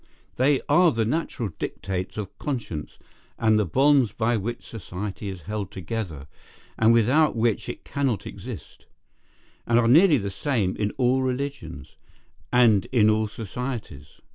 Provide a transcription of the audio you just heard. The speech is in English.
They are the natural dictates of conscience, and the bonds by which society is held together, and without which it cannot exist; and are nearly the same in all religions, and in all societies.